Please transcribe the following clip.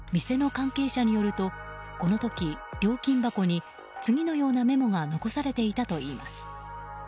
店の関係者によるとこの時、料金箱に次のようなメモが残されていたといいます。